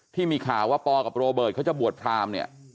เพราะว่าพ่อกับโรเบิร์ตเขาจะบวชพราม